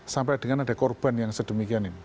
sampai dengan ada korban yang sedemikian ini